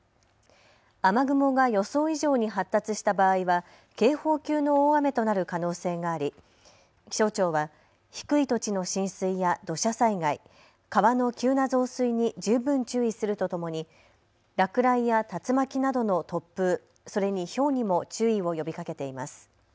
雨雲が予想以上に発達した場合は警報級の大雨となる可能性があり気象庁は低い土地の浸水や土砂災害、川の急な増水に十分注意するとともに落雷や竜巻などの突風、それにひょうにも注意を呼びかけています。